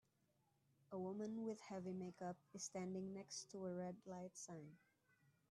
A woman with heavy makeup is standing next to a red light sign